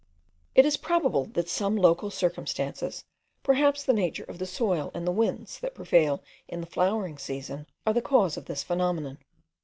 It is probable that some local circumstances, perhaps the nature of the soil and the winds that prevail in the flowering season, are the cause of this phenomenon.